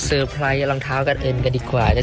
ซื้อให้มันต้องมีในกล่องไว้ล่ะ